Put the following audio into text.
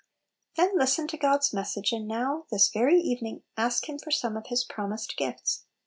Then listen to God's message, and now, this very evening, ask Him for some of His promised gifts.